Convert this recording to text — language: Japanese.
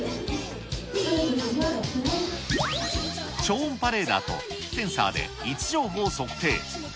超音波レーダーとセンサーで位置情報を測定。